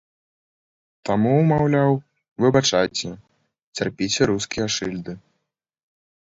Таму, маўляў, выбачайце, цярпіце рускія шыльды.